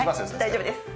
大丈夫です。